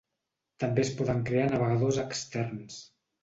També es poden crear navegadors externs.